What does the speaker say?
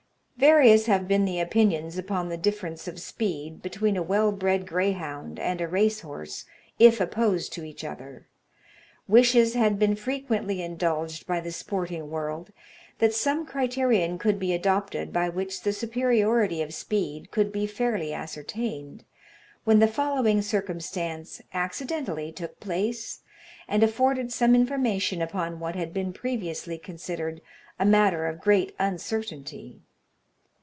Various have been the opinions upon the difference of speed between a well bred greyhound and a racehorse, if opposed to each other. Wishes had been frequently indulged by the sporting world, that some criterion could be adopted by which the superiority of speed could be fairly ascertained, when the following circumstance accidentally took place, and afforded some information upon what had been previously considered a matter of great uncertainty.